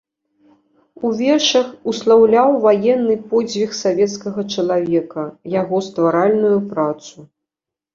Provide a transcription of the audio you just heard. У вершах услаўляў ваенны подзвіг савецкага чалавека, яго стваральную працу.